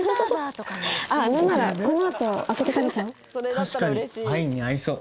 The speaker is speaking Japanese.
確かに！